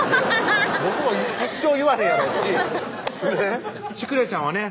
僕も一生言わへんやろうしシュクレちゃんはね